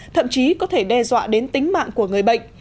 thậm chí có thể đe dọa đến tính mạng của người bệnh